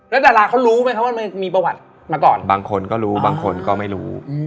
แล้วดาราเขารู้ไหมครับว่ามันมีประวัติมาก่อนบางคนก็รู้บางคนก็ไม่รู้